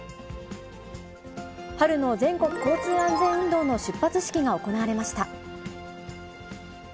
春の全国交通安全運動の出発式が行われました。